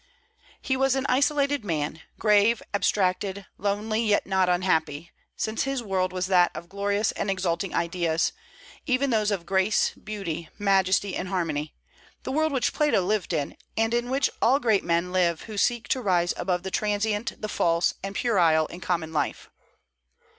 He was an isolated man; grave, abstracted, lonely, yet not unhappy, since his world was that of glorious and exalting ideas, even those of grace, beauty, majesty, and harmony, the world which Plato lived in, and in which all great men live who seek to rise above the transient, the false, and puerile in common life.